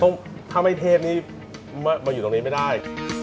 ถ้าไม่เทศนี้มาอยู่ตรงนี้ไม่ได้